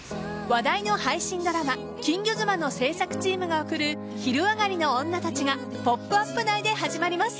話題の配信ドラマ「金魚妻」の製作チームが送る「昼上がりのオンナたち」が「ポップＵＰ！」内で始まります。